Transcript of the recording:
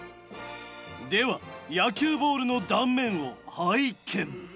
では野球ボールの断面を拝見。